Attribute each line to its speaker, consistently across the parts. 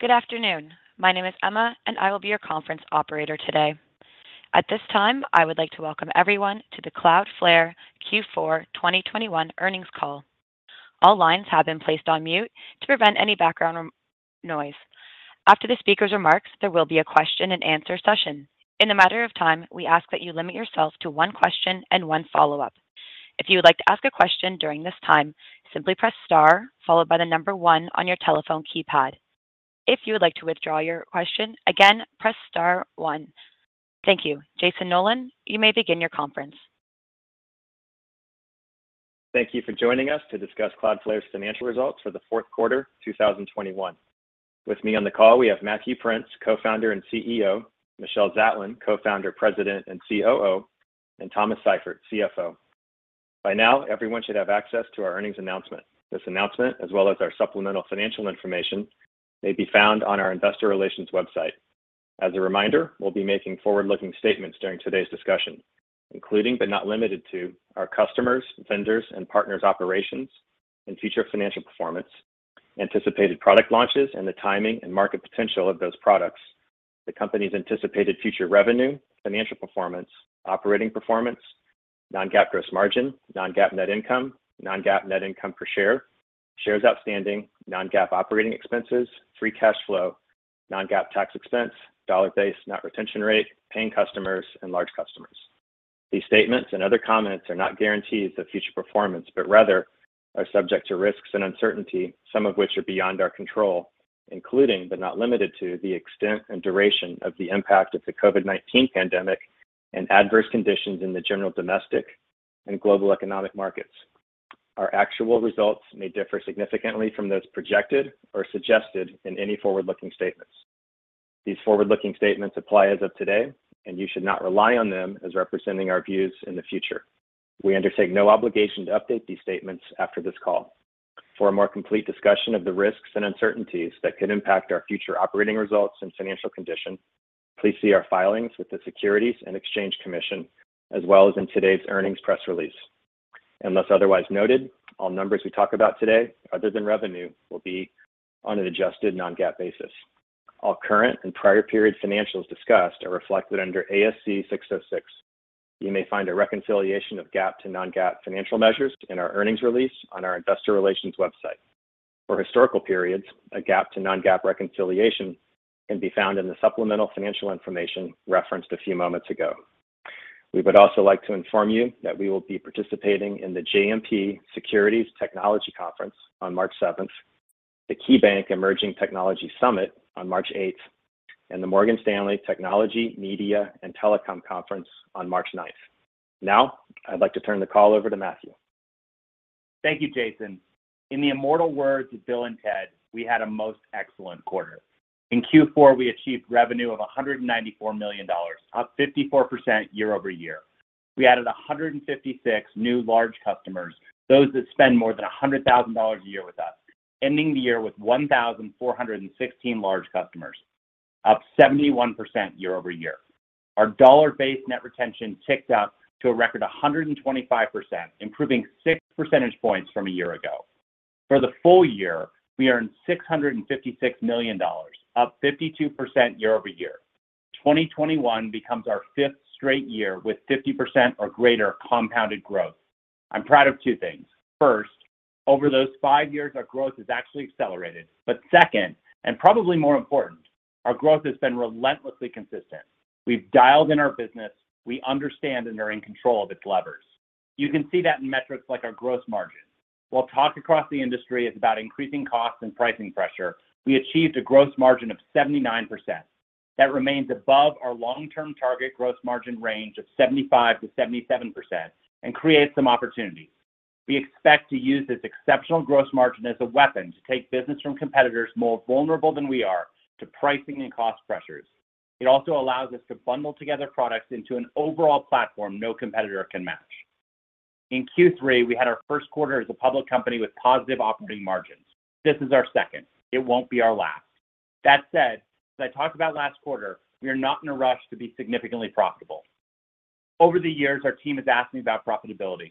Speaker 1: Good afternoon. My name is Emma, and I will be your conference operator today. At this time, I would like to welcome everyone to the Cloudflare Q4 2021 earnings call. All lines have been placed on mute to prevent any background noise. After the speaker's remarks, there will be a question-and-answer session. In the interest of time, we ask that you limit yourself to one question and one follow-up. If you would like to ask a question during this time, simply press star followed by the number one on your telephone keypad. If you would like to withdraw your question, again, press star one. Thank you. Jayson Noland, you may begin your conference.
Speaker 2: Thank you for joining us to discuss Cloudflare's financial results for the fourth quarter 2021. With me on the call, we have Matthew Prince, Co-founder and CEO, Michelle Zatlyn, Co-founder, President, and COO, and Thomas Seifert, CFO. By now, everyone should have access to our earnings announcement. This announcement, as well as our supplemental financial information, may be found on our investor relations website. As a reminder, we'll be making forward-looking statements during today's discussion, including, but not limited to, our customers, vendors, and partners' operations and future financial performance, anticipated product launches, and the timing and market potential of those products, the company's anticipated future revenue, financial performance, operating performance, non-GAAP gross margin, non-GAAP net income, non-GAAP net income per share, shares outstanding, non-GAAP operating expenses, free cash flow, non-GAAP tax expense, dollar-based net retention rate, paying customers, and large customers. These statements and other comments are not guarantees of future performance, but rather are subject to risks and uncertainty, some of which are beyond our control, including, but not limited to, the extent and duration of the impact of the COVID-19 pandemic and adverse conditions in the general domestic and global economic markets. Our actual results may differ significantly from those projected or suggested in any forward-looking statements. These forward-looking statements apply as of today, and you should not rely on them as representing our views in the future. We undertake no obligation to update these statements after this call. For a more complete discussion of the risks and uncertainties that could impact our future operating results and financial condition, please see our filings with the Securities and Exchange Commission, as well as in today's earnings press release. Unless otherwise noted, all numbers we talk about today, other than revenue, will be on an adjusted non-GAAP basis. All current and prior period financials discussed are reflected under ASC 606. You may find a reconciliation of GAAP to non-GAAP financial measures in our earnings release on our investor relations website. For historical periods, a GAAP to non-GAAP reconciliation can be found in the supplemental financial information referenced a few moments ago. We would also like to inform you that we will be participating in the JMP Securities Technology Conference on March 7th, the KeyBanc Emerging Technology Summit on March 8th, and the Morgan Stanley Technology, Media, and Telecom Conference on March 9th. Now, I'd like to turn the call over to Matthew. Thank you, Jayson.
Speaker 3: In the immortal words of Bill and Ted, "We had a most excellent quarter." In Q4, we achieved revenue of $194 million, up 54% year-over-year. We added 156 new large customers, those that spend more than $100,000 a year with us, ending the year with 1,416 large customers, up 71% year-over-year. Our dollar-based net retention ticked up to a record 125%, improving 6 percentage points from a year ago. For the full year, we earned $656 million, up 52% year-over-year. 2021 becomes our 5th straight year with 50% or greater compounded growth. I'm proud of two things. First, over those five years, our growth has actually accelerated. Second, and probably more important, our growth has been relentlessly consistent. We've dialed in our business. We understand and are in control of its levers. You can see that in metrics like our gross margin. While talk across the industry is about increasing costs and pricing pressure, we achieved a gross margin of 79%. That remains above our long-term target gross margin range of 75%-77% and creates some opportunities. We expect to use this exceptional gross margin as a weapon to take business from competitors more vulnerable than we are to pricing and cost pressures. It also allows us to bundle together products into an overall platform no competitor can match. In Q3, we had our first quarter as a public company with positive operating margins. This is our second. It won't be our last. That said, as I talked about last quarter, we are not in a rush to be significantly profitable. Over the years, our team has asked me about profitability.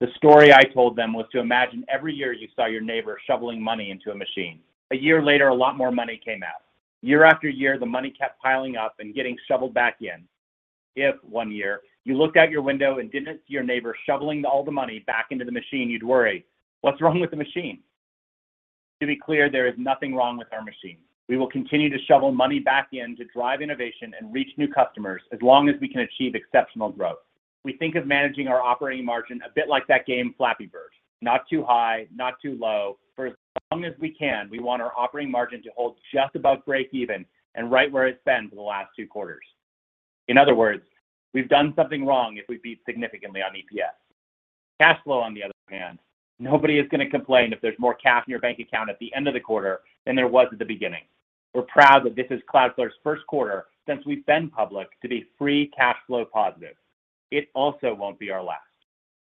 Speaker 3: The story I told them was to imagine every year you saw your neighbor shoveling money into a machine. A year later, a lot more money came out. Year after year, the money kept piling up and getting shoveled back in. If one year you looked out your window and didn't see your neighbor shoveling all the money back into the machine, you'd worry, "What's wrong with the machine?" To be clear, there is nothing wrong with our machine. We will continue to shovel money back in to drive innovation and reach new customers as long as we can achieve exceptional growth. We think of managing our operating margin a bit like that game Flappy Bird, not too high, not too low. For as long as we can, we want our operating margin to hold just above breakeven and right where it's been for the last two quarters. In other words, we've done something wrong if we beat significantly on EPS. Cash flow, on the other hand, nobody is gonna complain if there's more cash in your bank account at the end of the quarter than there was at the beginning. We're proud that this is Cloudflare's first quarter since we've been public to be free cash flow positive. It also won't be our last.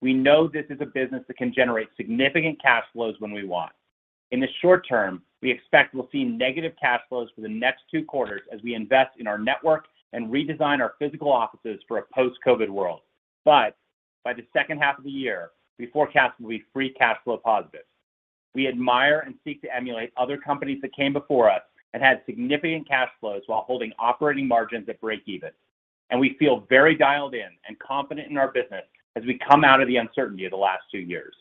Speaker 3: We know this is a business that can generate significant cash flows when we want. In the short term, we expect we'll see negative cash flows for the next two quarters as we invest in our network and redesign our physical offices for a post-COVID world. By the second half of the year, we forecast we'll be free cash flow positive. We admire and seek to emulate other companies that came before us and had significant cash flows while holding operating margins at breakeven. We feel very dialed in and confident in our business as we come out of the uncertainty of the last two years.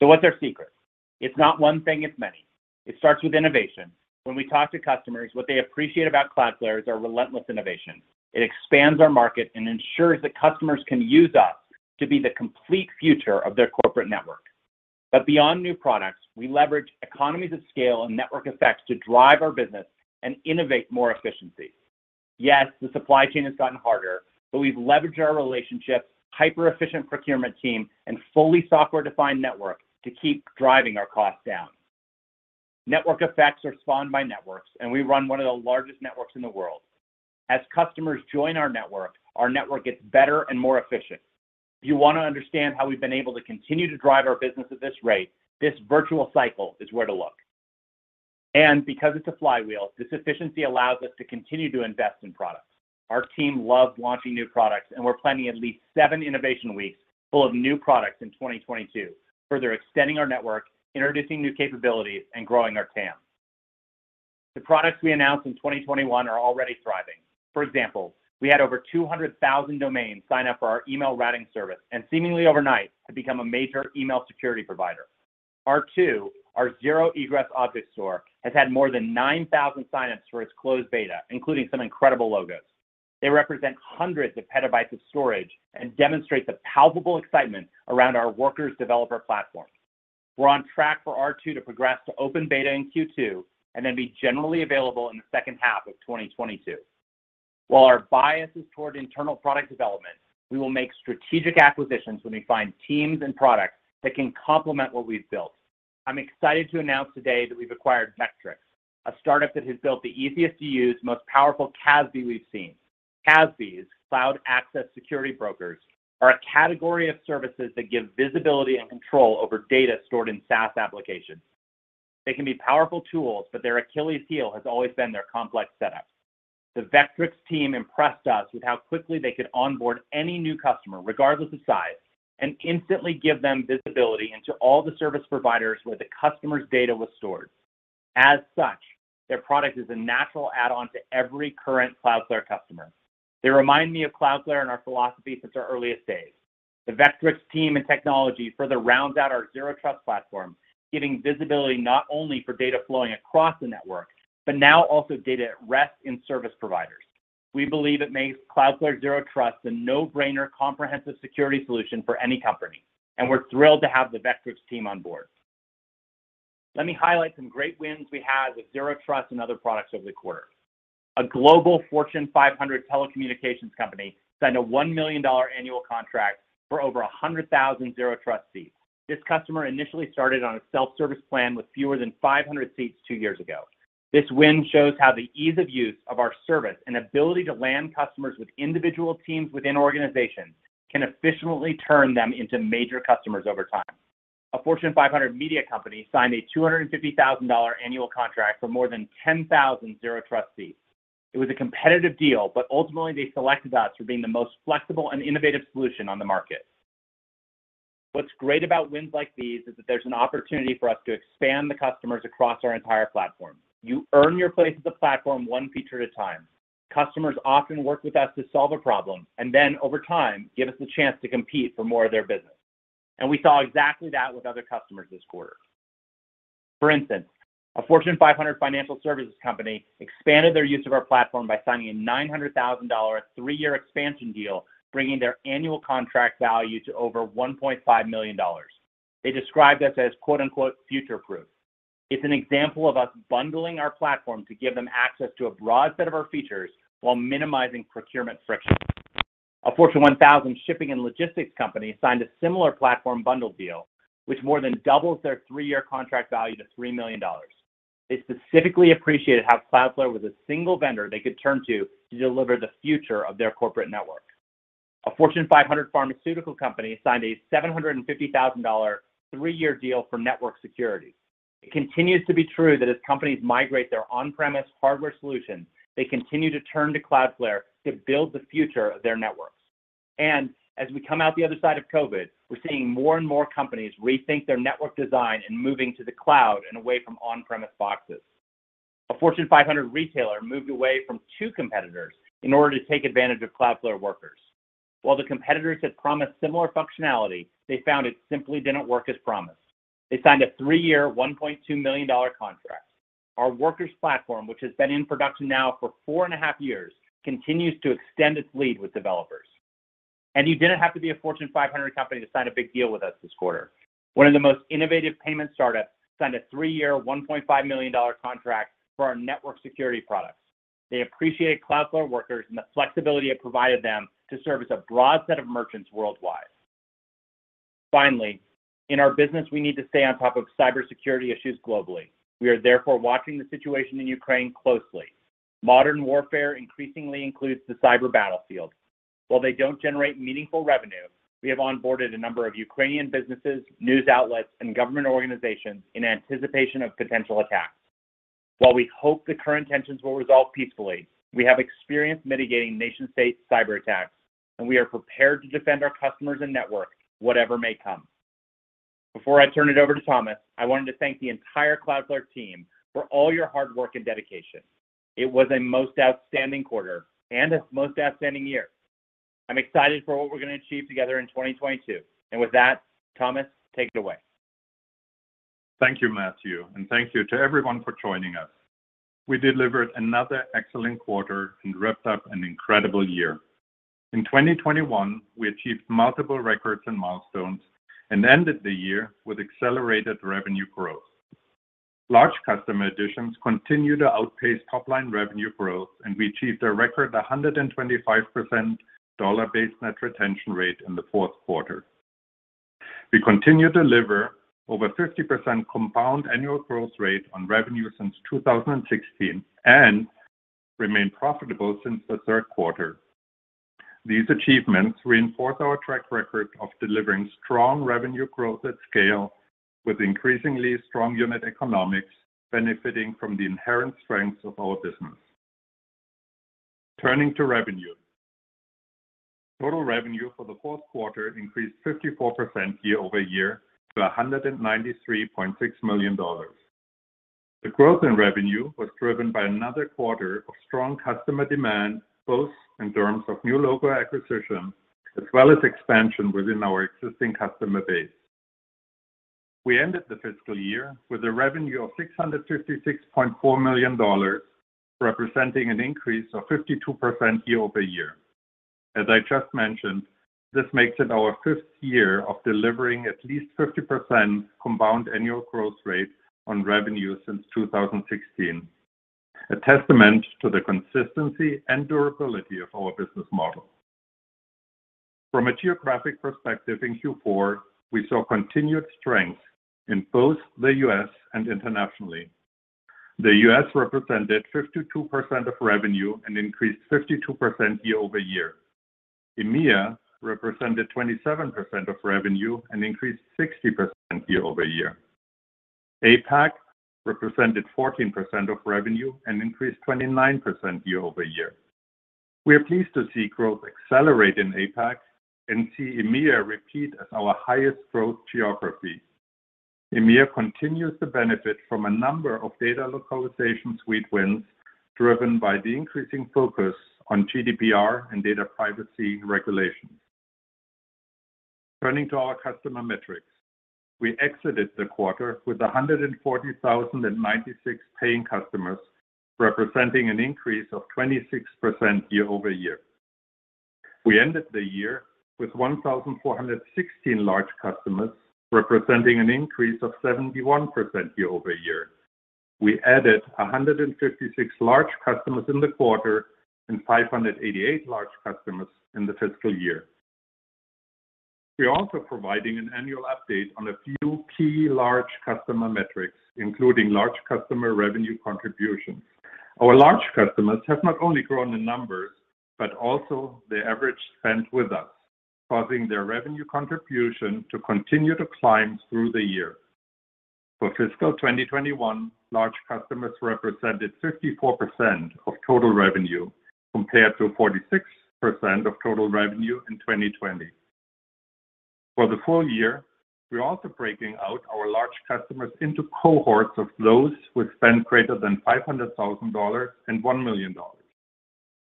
Speaker 3: What's our secret? It's not one thing, it's many. It starts with innovation. When we talk to customers, what they appreciate about Cloudflare is our relentless innovation. It expands our market and ensures that customers can use us to be the complete future of their corporate network. Beyond new products, we leverage economies of scale and network effects to drive our business and innovate more efficiency. Yes, the supply chain has gotten harder, but we've leveraged our relationships, hyper-efficient procurement team, and fully software-defined network to keep driving our costs down. Network effects are spawned by networks, and we run one of the largest networks in the world. As customers join our network, our network gets better and more efficient. If you want to understand how we've been able to continue to drive our business at this rate, this virtuous cycle is where to look. Because it's a flywheel, this efficiency allows us to continue to invest in products. Our team loves launching new products, and we're planning at least seven innovation weeks full of new products in 2022, further extending our network, introducing new capabilities, and growing our TAM. The products we announced in 2021 are already thriving. For example, we had over 200,000 domains sign up for our email routing service, and seemingly overnight have become a major email security provider. R2, our zero egress object store, has had more than 9,000 signups for its closed beta, including some incredible logos. They represent hundreds of petabytes of storage and demonstrate the palpable excitement around our Workers developer platform. We're on track for R2 to progress to open beta in Q2, and then be generally available in the second half of 2022. While our bias is toward internal product development, we will make strategic acquisitions when we find teams and products that can complement what we've built. I'm excited to announce today that we've acquired Vectrix, a startup that has built the easiest to use, most powerful CASB we've seen. CASBs, cloud access security brokers, are a category of services that give visibility and control over data stored in SaaS applications. They can be powerful tools, but their Achilles heel has always been their complex setup. The Vectrix team impressed us with how quickly they could onboard any new customer, regardless of size, and instantly give them visibility into all the service providers where the customer's data was stored. As such, their product is a natural add-on to every current Cloudflare customer. They remind me of Cloudflare and our philosophy since our earliest days. The Vectrix team and technology further rounds out our Zero Trust platform, giving visibility not only for data flowing across the network, but now also data at rest in service providers. We believe it makes Cloudflare Zero Trust a no-brainer comprehensive security solution for any company, and we're thrilled to have the Vectrix team on board. Let me highlight some great wins we had with Zero Trust and other products over the quarter. A global Fortune 500 telecommunications company signed a $1 million annual contract for over 100,000 Zero Trust seats. This customer initially started on a self-service plan with fewer than 500 seats two years ago. This win shows how the ease of use of our service and ability to land customers with individual teams within organizations can efficiently turn them into major customers over time. A Fortune 500 media company signed a $250,000 annual contract for more than 10,000 Zero Trust seats. It was a competitive deal, but ultimately they selected us for being the most flexible and innovative solution on the market. What's great about wins like these is that there's an opportunity for us to expand the customers across our entire platform. You earn your place as a platform one feature at a time. Customers often work with us to solve a problem, and then over time, give us the chance to compete for more of their business. We saw exactly that with other customers this quarter. For instance, a Fortune 500 financial services company expanded their use of our platform by signing a $900,000 three-year expansion deal, bringing their annual contract value to over $1.5 million. They described us as "future-proof." It's an example of us bundling our platform to give them access to a broad set of our features while minimizing procurement friction. A Fortune 1000 shipping and logistics company signed a similar platform bundle deal, which more than doubles their three year contract value to $3 million. They specifically appreciated how Cloudflare was a single vendor they could turn to to deliver the future of their corporate network. A Fortune 500 pharmaceutical company signed a $750,000 three year deal for network security. It continues to be true that as companies migrate their on-premises hardware solutions, they continue to turn to Cloudflare to build the future of their networks. As we come out the other side of COVID, we're seeing more and more companies rethink their network design and moving to the cloud and away from on-premises boxes. A Fortune 500 retailer moved away from two competitors in order to take advantage of Cloudflare Workers. While the competitors had promised similar functionality, they found it simply didn't work as promised. They signed a three-year, $1.2 million contract. Our Workers platform, which has been in production now for 4.5 years, continues to extend its lead with developers. You didn't have to be a Fortune 500 company to sign a big deal with us this quarter. One of the most innovative payment startups signed a three-year, $1.5 million contract for our network security products. They appreciate Cloudflare Workers and the flexibility it provided them to service a broad set of merchants worldwide. Finally, in our business, we need to stay on top of cybersecurity issues globally. We are therefore watching the situation in Ukraine closely. Modern warfare increasingly includes the cyber battlefield. While they don't generate meaningful revenue, we have onboarded a number of Ukrainian businesses, news outlets, and government organizations in anticipation of potential attacks. While we hope the current tensions will resolve peacefully, we have experience mitigating nation-state cyberattacks, and we are prepared to defend our customers and network, whatever may come. Before I turn it over to Thomas, I wanted to thank the entire Cloudflare team for all your hard work and dedication. It was a most outstanding quarter and a most outstanding year. I'm excited for what we're going to achieve together in 2022. With that, Thomas, take it away.
Speaker 4: Thank you, Matthew, and thank you to everyone for joining us. We delivered another excellent quarter and wrapped up an incredible year. In 2021, we achieved multiple records and milestones and ended the year with accelerated revenue growth. Large customer additions continue to outpace top-line revenue growth, and we achieved a record 125% dollar-based net retention rate in the fourth quarter. We continue to deliver over 50% compound annual growth rate on revenue since 2016 and remain profitable since the third quarter. These achievements reinforce our track record of delivering strong revenue growth at scale with increasingly strong unit economics benefiting from the inherent strengths of our business. Turning to revenue. Total revenue for the fourth quarter increased 54% year-over-year to $193.6 million. The growth in revenue was driven by another quarter of strong customer demand, both in terms of new logo acquisition as well as expansion within our existing customer base. We ended the fiscal year with revenue of $656.4 million, representing an increase of 52% year-over-year. As I just mentioned, this makes it our 5th year of delivering at least 50% compound annual growth rate on revenue since 2016, a testament to the consistency and durability of our business model. From a geographic perspective, in Q4, we saw continued strength in both the U.S. and internationally. The U.S. represented 52% of revenue and increased 52% year-over-year. EMEA represented 27% of revenue and increased 60% year-over-year. APAC represented 14% of revenue and increased 29% year-over-year. We are pleased to see growth accelerate in APAC and see EMEA repeat as our highest growth geography. EMEA continues to benefit from a number of Data Localization Suite wins driven by the increasing focus on GDPR and data privacy regulations. Turning to our customer metrics. We exited the quarter with 140,096 paying customers, representing an increase of 26% year-over-year. We ended the year with 1,416 large customers, representing an increase of 71% year-over-year. We added 156 large customers in the quarter and 588 large customers in the fiscal year. We're also providing an annual update on a few key large customer metrics, including large customer revenue contribution. Our large customers have not only grown in numbers, but also their average spend with us, causing their revenue contribution to continue to climb through the year. For fiscal 2021, large customers represented 54% of total revenue, compared to 46% of total revenue in 2020. For the full year, we're also breaking out our large customers into cohorts of those with spend greater than $500,000 and $1 million.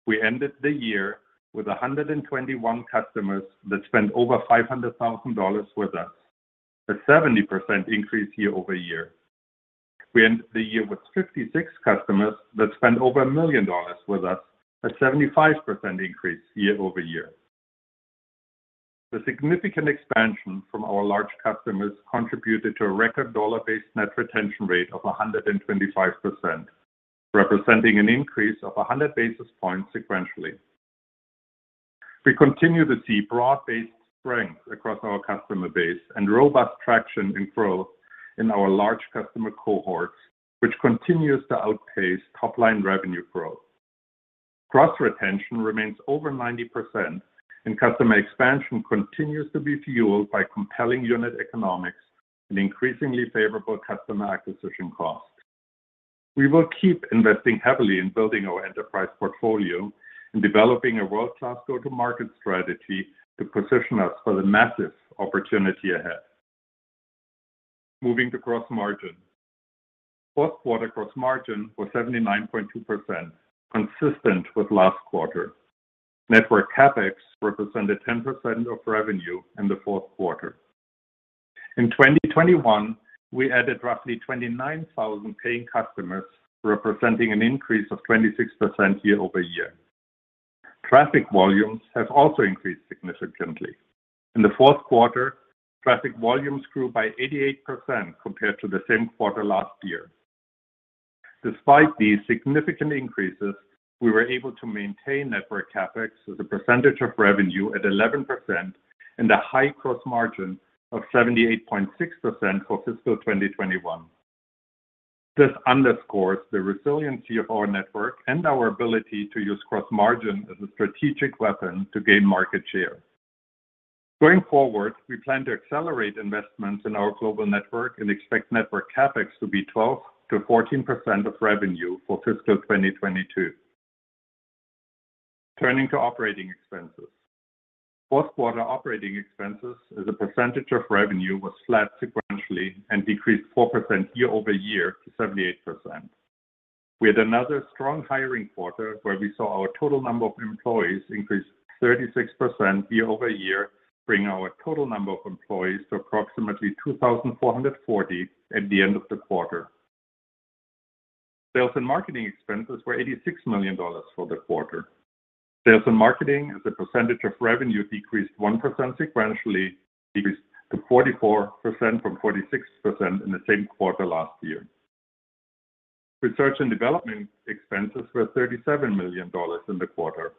Speaker 4: We ended the year with 121 customers that spent over $500,000 with us, a 70% increase year over year. We ended the year with 56 customers that spent over $1 million with us, a 75% increase year-ove-year. The significant expansion from our large customers contributed to a record dollar-based net retention rate of 125%, representing an increase of 100 basis points sequentially. We continue to see broad-based strength across our customer base and robust traction and growth in our large customer cohorts, which continues to outpace top-line revenue growth. Gross retention remains over 90%, and customer expansion continues to be fueled by compelling unit economics and increasingly favorable customer acquisition costs. We will keep investing heavily in building our enterprise portfolio and developing a world-class go-to-market strategy to position us for the massive opportunity ahead. Moving to gross margin. Fourth quarter gross margin was 79.2%, consistent with last quarter. Network CapEx represented 10% of revenue in the fourth quarter. In 2021, we added roughly 29,000 paying customers, representing an increase of 26% year-over-year. Traffic volumes have also increased significantly. In the fourth quarter, traffic volumes grew by 88% compared to the same quarter last year. Despite these significant increases, we were able to maintain network CapEx as a percentage of revenue at 11% and a high gross margin of 78.6% for fiscal 2021. This underscores the resiliency of our network and our ability to use gross margin as a strategic weapon to gain market share. Going forward, we plan to accelerate investments in our global network and expect network CapEx to be 12%-14% of revenue for fiscal 2022. Turning to operating expenses. Fourth quarter operating expenses as a percentage of revenue was flat sequentially and decreased 4% year-over-year to 78%. We had another strong hiring quarter where we saw our total number of employees increase 36% year-over-year, bringing our total number of employees to approximately 2,440 at the end of the quarter. Sales and marketing expenses were $86 million for the quarter. Sales and marketing as a percentage of revenue decreased 1% sequentially, decreased to 44% from 46% in the same quarter last year. Research and development expenses were $37 million in the quarter.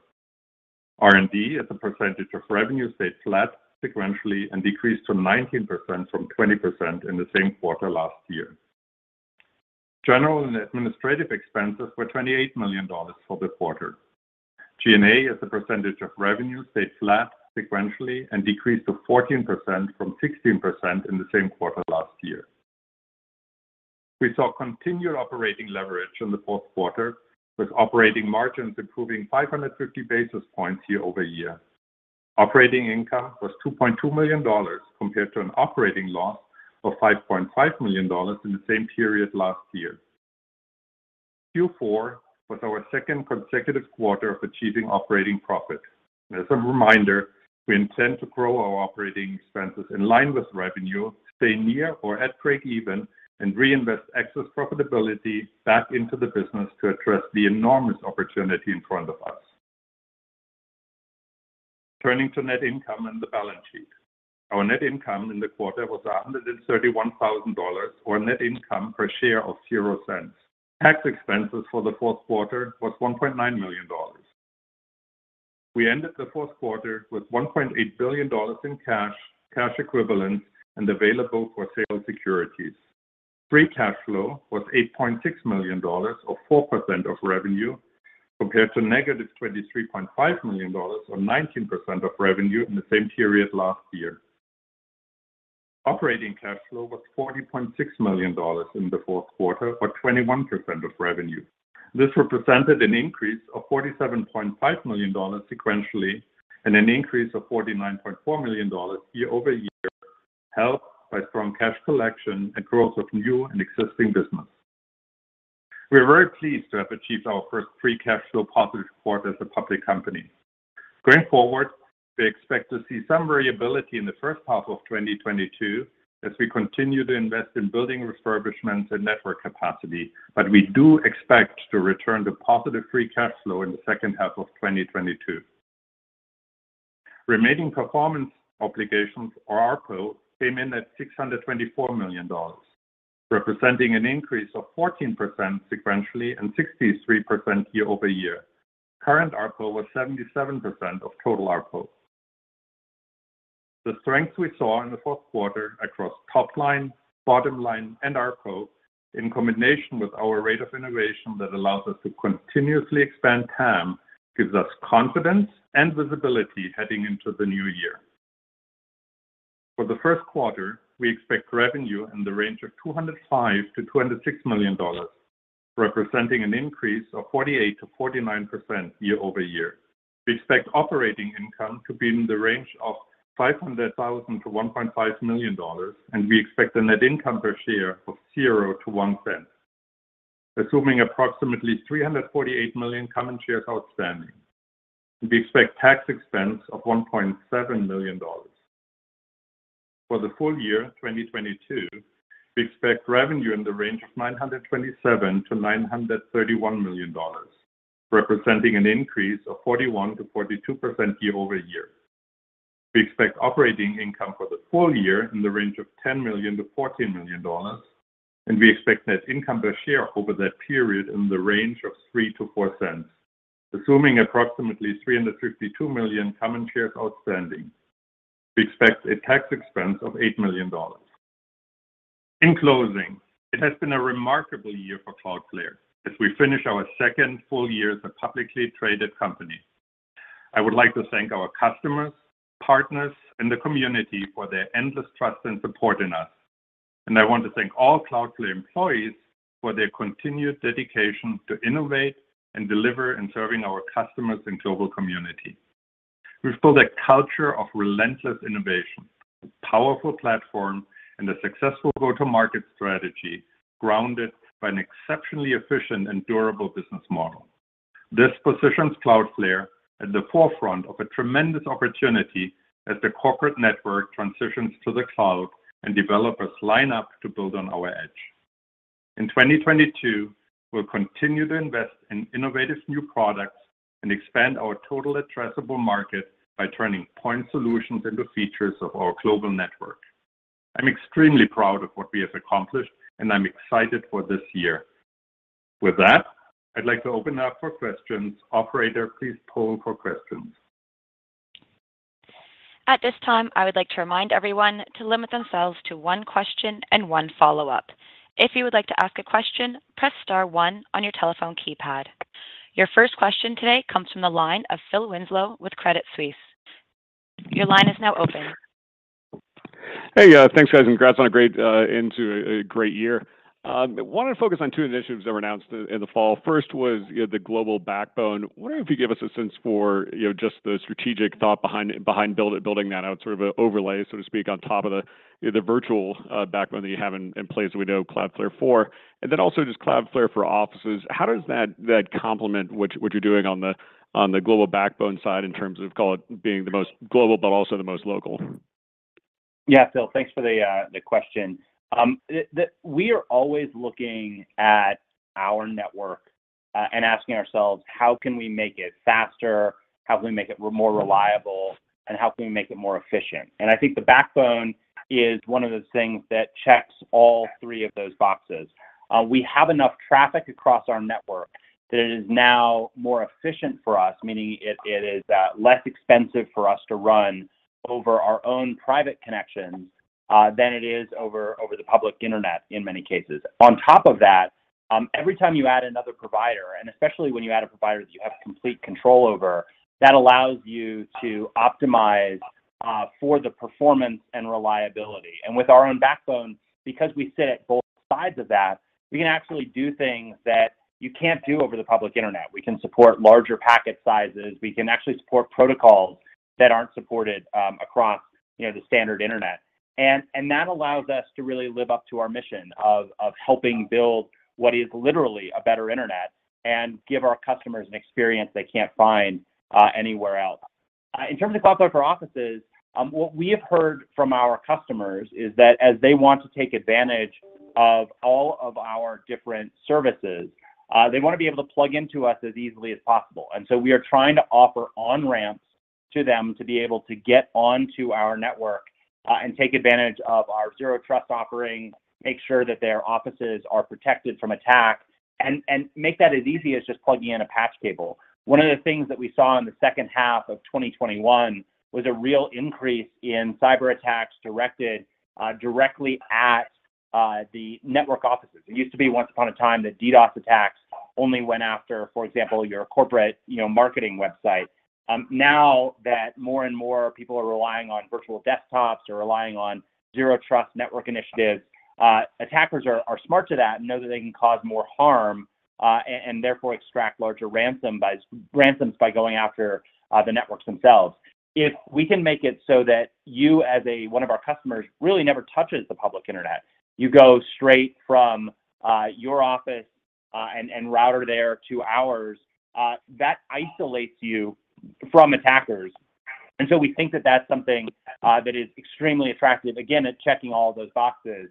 Speaker 4: R&D as a percentage of revenue stayed flat sequentially and decreased to 19% from 20% in the same quarter last year. General and administrative expenses were $28 million for the quarter. G&A as a percentage of revenue stayed flat sequentially and decreased to 14% from 16% in the same quarter last year. We saw continued operating leverage in the fourth quarter, with operating margins improving 550 basis points year-over-year. Operating income was $2.2 million compared to an operating loss of $5.5 million in the same period last year. Q4 was our second consecutive quarter of achieving operating profit. As a reminder, we intend to grow our operating expenses in line with revenue, stay near or at break even, and reinvest excess profitability back into the business to address the enormous opportunity in front of us. Turning to net income and the balance sheet. Our net income in the quarter was $131,000, or net income per share of zero cents. Tax expenses for the fourth quarter was $1.9 million. We ended the fourth quarter with $1.8 billion in cash equivalents, and available for sale securities. Free cash flow was $8.6 million, or 4% of revenue, compared to negative $23.5 million, or 19% of revenue in the same period last year. Operating cash flow was $40.6 million in the fourth quarter, or 21% of revenue. This represented an increase of $47.5 million sequentially and an increase of $49.4 million year-over-year, helped by strong cash collection and growth of new and existing business. We are very pleased to have achieved our first free cash flow positive quarter as a public company. Going forward, we expect to see some variability in the first half of 2022 as we continue to invest in building refurbishments and network capacity, but we do expect to return to positive free cash flow in the second half of 2022. Remaining Performance Obligations, or RPO, came in at $624 million, representing an increase of 14% sequentially and 63% year-over-year. Current RPO was 77% of total RPO. The strength we saw in the fourth quarter across top line, bottom line, and RPO, in combination with our rate of innovation that allows us to continuously expand TAM, gives us confidence and visibility heading into the new year. For the first quarter, we expect revenue in the range of $205 million-$206 million, representing an increase of 48%-49% year-over-year. We expect operating income to be in the range of $500,000-$1.5 million, and we expect a net income per share of $0-$0.01, assuming approximately 348 million common shares outstanding. We expect tax expense of $1.7 million. For the full year 2022, we expect revenue in the range of $927 million-$931 million, representing an increase of 41%-42% year-over-year. We expect operating income for the full year in the range of $10 million-$14 million, and we expect net income per share over that period in the range of $0.03-$0.04, assuming approximately 352 million common shares outstanding. We expect a tax expense of $8 million. In closing, it has been a remarkable year for Cloudflare as we finish our second full year as a publicly traded company. I would like to thank our customers, partners, and the community for their endless trust and support in us. I want to thank all Cloudflare employees for their continued dedication to innovate and deliver in serving our customers and global community. We've built a culture of relentless innovation, a powerful platform, and a successful go-to-market strategy grounded by an exceptionally efficient and durable business model. This positions Cloudflare at the forefront of a tremendous opportunity as the corporate network transitions to the cloud and developers line up to build on our edge. In 2022, we'll continue to invest in innovative new products and expand our total addressable market by turning point solutions into features of our global network. I'm extremely proud of what we have accomplished, and I'm excited for this year. With that, I'd like to open up for questions. Operator, please poll for questions.
Speaker 1: At this time, I would like to remind everyone to limit themselves to one question and one follow-up. If you would like to ask a question, press star one on your telephone keypad. Your first question today comes from the line of Phil Winslow with Credit Suisse. Your line is now open.
Speaker 5: Hey, thanks, guys, and congrats on a great end to a great year. Wanted to focus on two initiatives that were announced in the fall. First was, you know, the global backbone. Wondering if you could give us a sense for, you know, just the strategic thought behind building that out, sort of an overlay, so to speak, on top of the virtual backbone that you have in place that we know Cloudflare for. Then also just Cloudflare for Offices. How does that complement what you're doing on the global backbone side in terms of, call it, being the most global but also the most local?
Speaker 3: Yeah, Phil, thanks for the question. We are always looking at our network and asking ourselves, "How can we make it faster? How can we make it more reliable, and how can we make it more efficient?" I think the backbone is one of the things that checks all three of those boxes. We have enough traffic across our network that it is now more efficient for us, meaning it is less expensive for us to run over our own private connections than it is over the public internet in many cases. On top of that, every time you add another provider, and especially when you add a provider that you have complete control over, that allows you to optimize for the performance and reliability. With our own backbone, because we sit at both sides of that, we can actually do things that you can't do over the public internet. We can support larger packet sizes, we can actually support protocols that aren't supported across, you know, the standard internet. That allows us to really live up to our mission of helping build what is literally a better internet and give our customers an experience they can't find anywhere else. In terms of Cloudflare for Offices, what we have heard from our customers is that as they want to take advantage of all of our different services, they wanna be able to plug into us as easily as possible. We are trying to offer on-ramps to them to be able to get onto our network, and take advantage of our Zero Trust offering, make sure that their offices are protected from attack and make that as easy as just plugging in a patch cable. One of the things that we saw in the second half of 2021 was a real increase in cyberattacks directed directly at the network offices. It used to be once upon a time that DDoS attacks only went after, for example, your corporate, you know, marketing website. Now that more and more people are relying on virtual desktops, they're relying on Zero Trust network initiatives, attackers are smart to that and know that they can cause more harm, and therefore extract larger ransoms by going after the networks themselves. If we can make it so that you as one of our customers really never touches the public internet, you go straight from your office and router there to ours, that isolates you from attackers. We think that that's something that is extremely attractive. Again, it's checking all those boxes,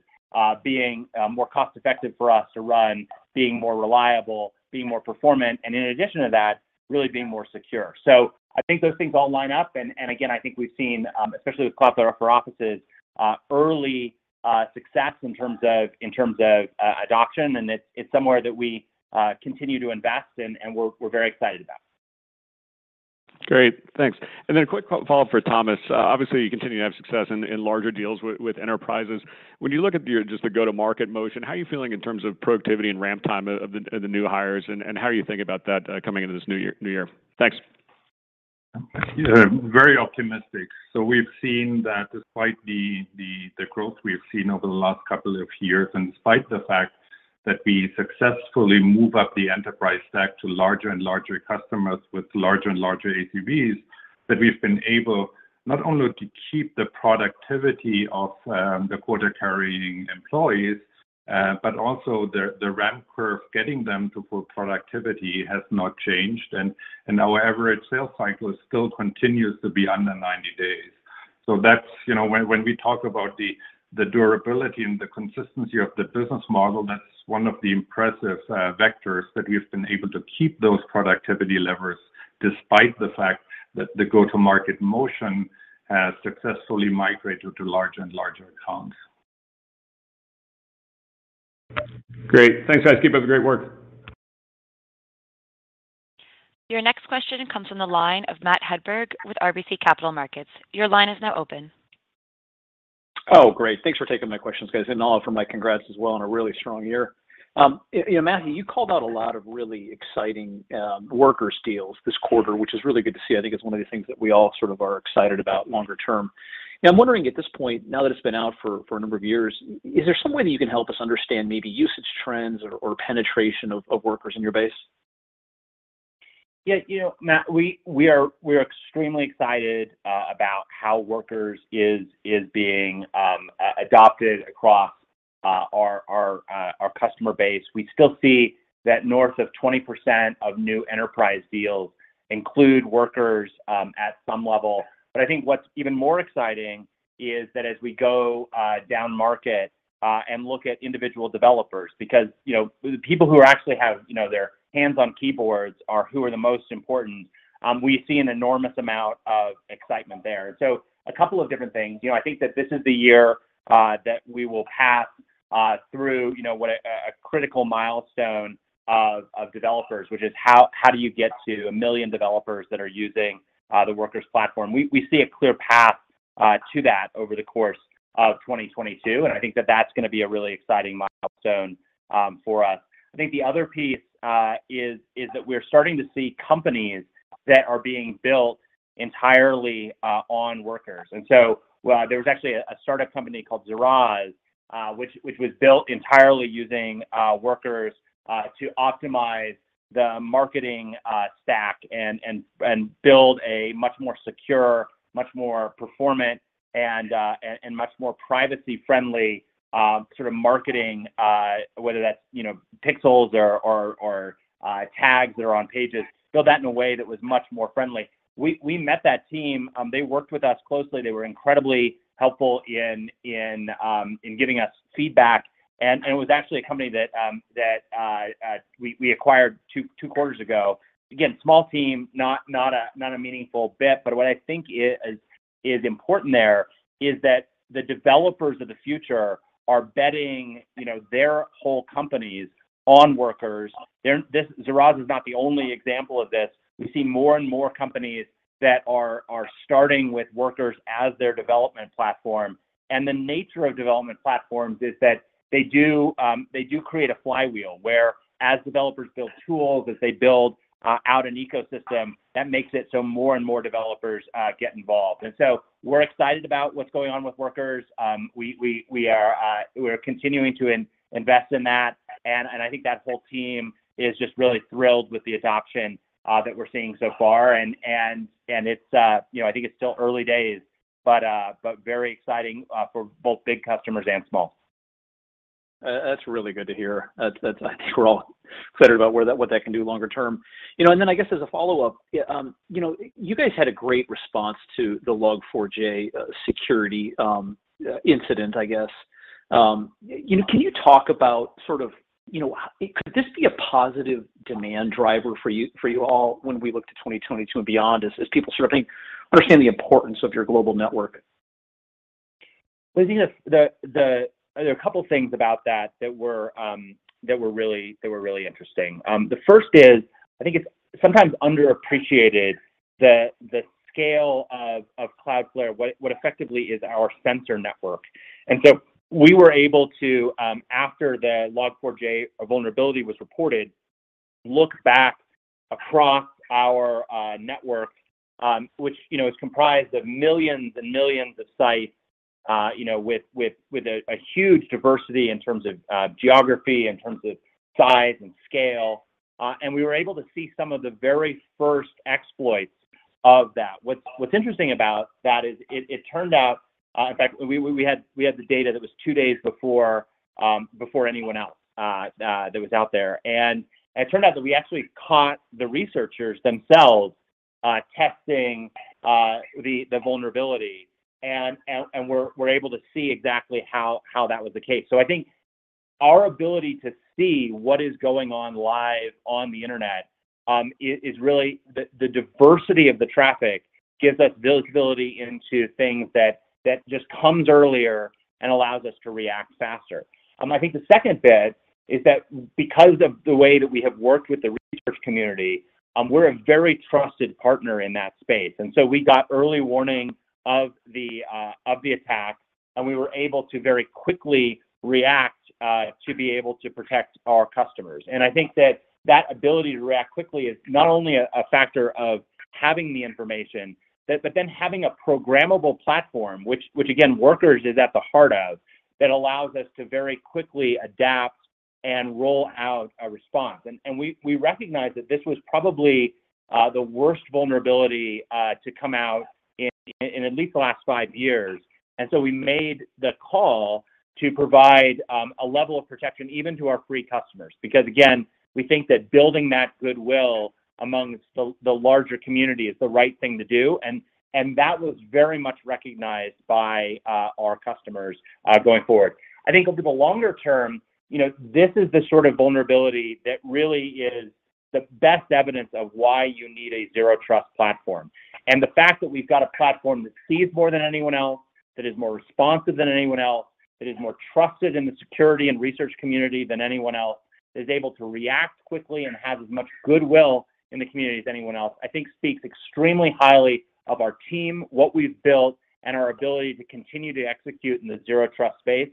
Speaker 3: being more cost-effective for us to run, being more reliable, being more performant, and in addition to that, really being more secure. I think those things all line up and again, I think we've seen, especially with Cloudflare for Offices, early success in terms of adoption, and it's somewhere that we continue to invest in and we're very excited about.
Speaker 5: Great. Thanks. Then a quick follow-up for Thomas. Obviously you continue to have success in larger deals with enterprises. When you look at your just the go-to-market motion, how are you feeling in terms of productivity and ramp time of the new hires, and how are you thinking about that coming into this new year? Thanks.
Speaker 4: Yeah. Very optimistic. We've seen that despite the growth we've seen over the last couple of years, and despite the fact that we successfully move up the enterprise stack to larger and larger customers with larger and larger ACVs, that we've been able not only to keep the productivity of the quota carrying employees, but also the ramp curve, getting them to full productivity has not changed. Our average sales cycle still continues to be under 90 days. That's, you know, when we talk about the durability and the consistency of the business model, that's one of the impressive vectors that we've been able to keep those productivity levers despite the fact that the go-to-market motion has successfully migrated to larger and larger accounts.
Speaker 5: Great. Thanks, guys. Keep up the great work.
Speaker 1: Your next question comes from the line of Matt Hedberg with RBC Capital Markets. Your line is now open.
Speaker 6: Oh, great. Thanks for taking my questions, guys, and all of my congrats as well on a really strong year. You know, Matthew, you called out a lot of really exciting Workers deals this quarter, which is really good to see. I think it's one of the things that we all sort of are excited about longer term. I'm wondering at this point, now that it's been out for a number of years, is there some way that you can help us understand maybe usage trends or penetration of Workers in your base?
Speaker 3: Yeah, you know, Matt, we're extremely excited about how Workers is being adopted across our customer base. We still see that north of 20% of new enterprise deals include Workers at some level. But I think what's even more exciting is that as we go down market and look at individual developers, because, you know, the people who actually have, you know, their hands on keyboards are the most important, we see an enormous amount of excitement there. A couple of different things. You know, I think that this is the year that we will pass through, you know, what a critical milestone of developers, which is how do you get to 1 million developers that are using the Workers platform? We see a clear path to that over the course of 2022, and I think that that's gonna be a really exciting milestone for us. I think the other piece is that we're starting to see companies that are being built entirely on Workers. There was actually a startup company called Zaraz, which was built entirely using Workers to optimize the marketing stack and build a much more secure, much more performant and much more privacy-friendly sort of marketing whether that's, you know, pixels or tags that are on pages, build that in a way that was much more friendly. We met that team. They worked with us closely. They were incredibly helpful in giving us feedback, and it was actually a company that we acquired two quarters ago. Again, small team, not a meaningful bit, but what I think is important there is that the developers of the future are betting, you know, their whole companies on Workers. This Zaraz is not the only example of this. We see more and more companies that are starting with Workers as their development platform. The nature of development platforms is that they do create a flywheel where as developers build tools, as they build out an ecosystem, that makes it so more and more developers get involved. We're excited about what's going on with Workers. We are continuing to invest in that. I think that whole team is just really thrilled with the adoption that we're seeing so far. It's you know I think it's still early days, but very exciting for both big customers and small.
Speaker 6: That's really good to hear. That's. I think we're all excited about what that can do longer term. You know, I guess as a follow-up, you know, you guys had a great response to the Log4j security incident, I guess. You know, can you talk about sort of, you know, could this be a positive demand driver for you all when we look to 2022 and beyond as people sort of understand the importance of your global network?
Speaker 3: Well, I think there are a couple things about that that were really interesting. The first is, I think it's sometimes underappreciated the scale of Cloudflare, what effectively is our sensor network. We were able to, after the Log4j vulnerability was reported, look back across our network, which, you know, is comprised of millions and millions of sites, you know, with a huge diversity in terms of geography, in terms of size and scale. We were able to see some of the very first exploits of that. What's interesting about that is it turned out, in fact, we had the data that was two days before anyone else that was out there. It turned out that we actually caught the researchers themselves testing the vulnerability. We are able to see exactly how that was the case. I think our ability to see what is going on live on the internet is really the diversity of the traffic gives us visibility into things that just comes earlier and allows us to react faster. I think the second bit is that because of the way that we have worked with the research community, we are a very trusted partner in that space. We got early warning of the attack, and we were able to very quickly react to be able to protect our customers. I think that ability to react quickly is not only a factor of having the information, but then having a programmable platform, which again, Workers is at the heart of, that allows us to very quickly adapt and roll out a response. We recognize that this was probably the worst vulnerability to come out in at least the last five years. We made the call to provide a level of protection even to our free customers because, again, we think that building that goodwill amongst the larger community is the right thing to do. That was very much recognized by our customers going forward. I think over the longer term, you know, this is the sort of vulnerability that really is the best evidence of why you need a Zero Trust platform. The fact that we've got a platform that sees more than anyone else, that is more responsive than anyone else, that is more trusted in the security and research community than anyone else, is able to react quickly and has as much goodwill in the community as anyone else, I think speaks extremely highly of our team, what we've built, and our ability to continue to execute in the Zero Trust space.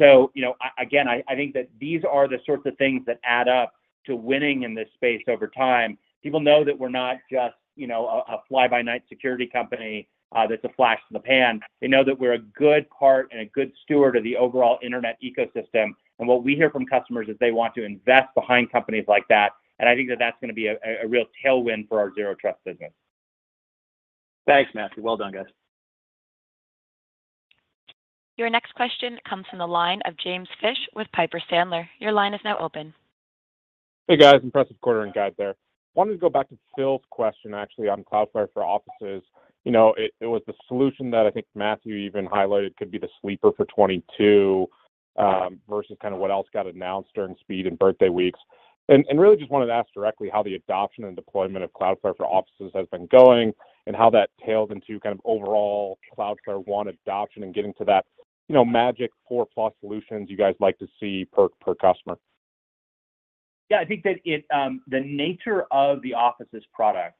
Speaker 3: You know, again, I think that these are the sorts of things that add up to winning in this space over time. People know that we're not just, you know, a fly-by-night security company that's a flash in the pan. They know that we're a good part and a good steward of the overall internet ecosystem. What we hear from customers is they want to invest behind companies like that, and I think that that's gonna be a real tailwind for our Zero Trust business.
Speaker 6: Thanks, Matthew. Well done, guys.
Speaker 1: Your next question comes from the line of James Fish with Piper Sandler. Your line is now open.
Speaker 7: Hey, guys. Impressive quarter and guide there. Wanted to go back to Phil's question actually on Cloudflare for Offices. It was the solution that I think Matthew even highlighted could be the sleeper for 2022 versus kind of what else got announced during Speed and Birthday Weeks. Really just wanted to ask directly how the adoption and deployment of Cloudflare for Offices has been going and how that ties into kind of overall Cloudflare One adoption and getting to that, you know, magic 4+ solutions you guys like to see per customer.
Speaker 3: Yeah, I think that the nature of the office's product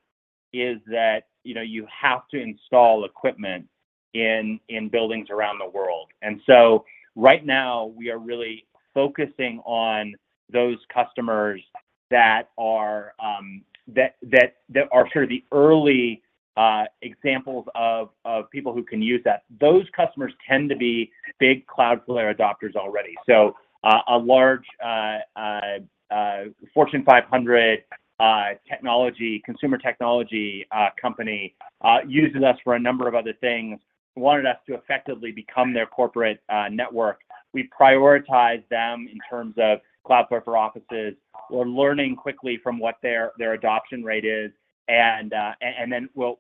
Speaker 3: is that, you know, you have to install equipment in buildings around the world. Right now we are really focusing on those customers that are sort of the early examples of people who can use that. Those customers tend to be big Cloudflare adopters already. A large Fortune 500 technology, consumer technology company uses us for a number of other things, wanted us to effectively become their corporate network. We prioritize them in terms of Cloudflare for Offices. We're learning quickly from what their adoption rate is, and then we'll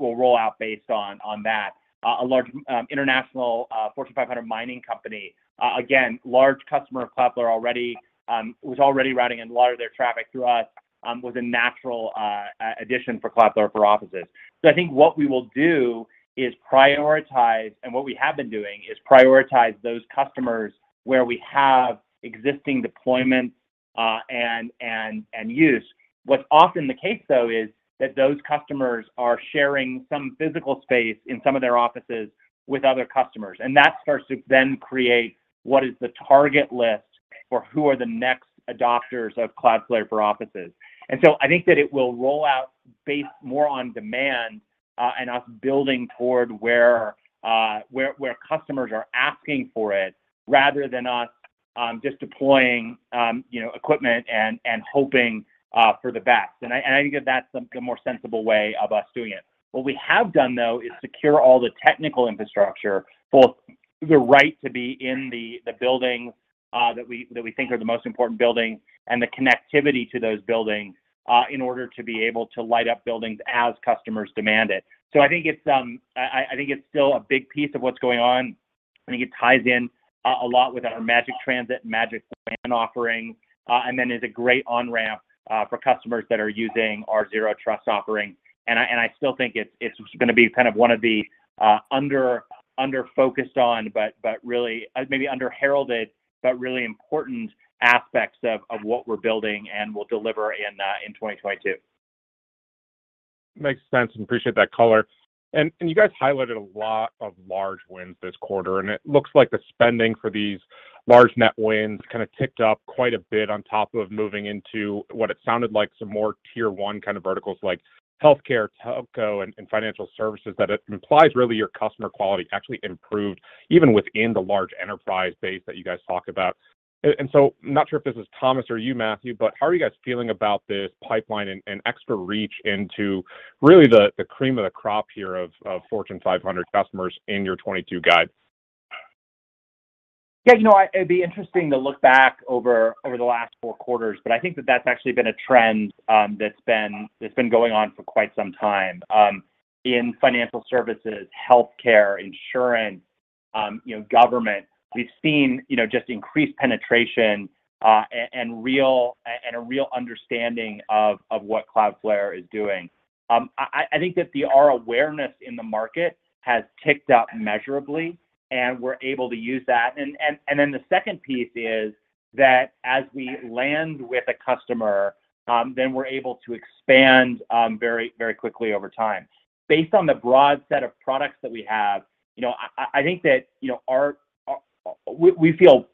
Speaker 3: roll out based on that. A large, international, Fortune 500 mining company, again, large customer of Cloudflare already, was already routing a lot of their traffic through us, was a natural addition for Cloudflare for Offices. I think what we will do is prioritize, and what we have been doing is prioritize those customers where we have existing deployments, and use. What's often the case, though, is that those customers are sharing some physical space in some of their offices with other customers, and that starts to then create what is the target list for who are the next adopters of Cloudflare for Offices. I think that it will roll out based more on demand, and us building toward where customers are asking for it, rather than us just deploying, you know, equipment and hoping for the best. I think that that's a more sensible way of us doing it. What we have done, though, is secure all the technical infrastructure, both the right to be in the buildings that we think are the most important buildings and the connectivity to those buildings, in order to be able to light up buildings as customers demand it. I think it's still a big piece of what's going on. I think it ties in a lot with our Magic Transit, Magic WAN offering, and then is a great on-ramp for customers that are using our Zero Trust offering. I still think it's gonna be kind of one of the underfocused on, but really maybe under-heralded, but really important aspects of what we're building and will deliver in 2022.
Speaker 7: Makes sense and appreciate that color. You guys highlighted a lot of large wins this quarter, and it looks like the spending for these large net wins kind of ticked up quite a bit on top of moving into what it sounded like some more Tier 1 kind of verticals like healthcare, telco, and financial services, that it implies really your customer quality actually improved even within the large enterprise base that you guys talk about. I'm not sure if this is Thomas or you, Matthew, but how are you guys feeling about this pipeline and extra reach into really the cream of the crop here of Fortune 500 customers in your 2022 guide?
Speaker 3: You know, it'd be interesting to look back over the last four quarters, but I think that's actually been a trend that's been going on for quite some time. In financial services, healthcare, insurance, you know, government, we've seen you know, just increased penetration and a real understanding of what Cloudflare is doing. I think our awareness in the market has ticked up measurably, and we're able to use that. Then the second piece is that as we land with a customer, then we're able to expand very quickly over time. Based on the broad set of products that we have, I think that we feel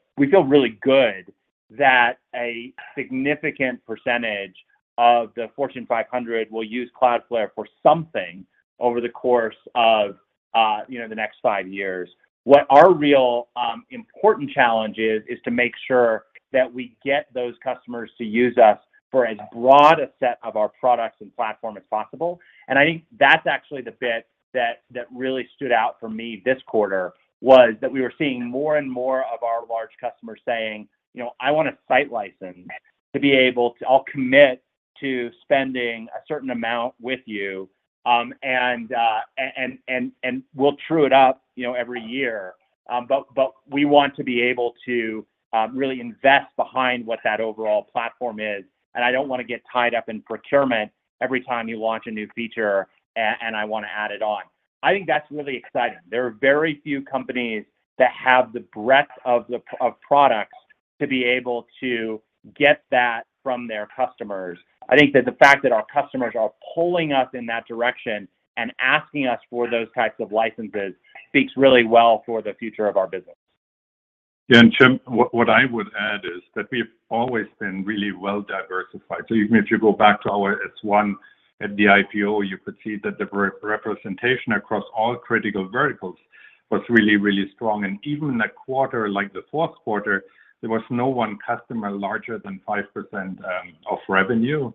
Speaker 3: really good that a significant percentage of the Fortune 500 will use Cloudflare for something over the course of the next five years. What our real important challenge is to make sure that we get those customers to use us for as broad a set of our products and platform as possible. I think that's actually the bit that really stood out for me this quarter, was that we were seeing more and more of our large customers saying, you know, "I want a site license. I'll commit to spending a certain amount with you, and we'll true it up every year. We want to be able to really invest behind what that overall platform is, and I don't want to get tied up in procurement every time you launch a new feature and I want to add it on." I think that's really exciting. There are very few companies that have the breadth of products to be able to get that from their customers. I think that the fact that our customers are pulling us in that direction and asking us for those types of licenses speaks really well for the future of our business.
Speaker 4: Yeah. James, what I would add is that we've always been really well diversified. Even if you go back to our S-1 at the IPO, you could see that the representation across all critical verticals was really, really strong. Even in a quarter like the fourth quarter, there was no one customer larger than 5% of revenue.